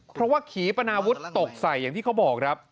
เพราะว่าขี่ปนาวุฒิตกใส่อย่างที่เขาบอกครับ